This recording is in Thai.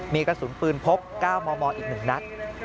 มีกระสุนปืนพบ๙มมอีก๑นัด